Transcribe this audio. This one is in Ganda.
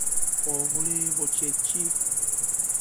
Obuleebo kye ki?